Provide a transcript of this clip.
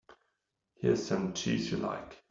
Here's some cheese you like.